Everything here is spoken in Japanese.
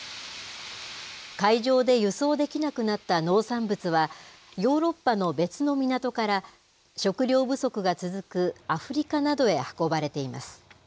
海上で輸送できなくなった農産物は、ヨーロッパの別の港から、食料不足が続くアフリカなどへ運ばれています。